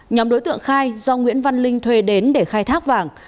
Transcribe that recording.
nhóm đối tượng khai do nguyễn văn linh thuê đến để khai thác vàng